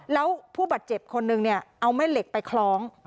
แล้วผู้บาดเจ็บคนนึงเนี่ยเอาแม่เหล็กไปคล้อง